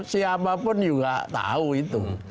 siapapun juga tahu itu